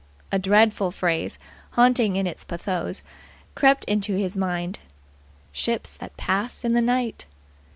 A dreadful phrase, haunting in its pathos, crept into his mind. "Ships that pass in the night!"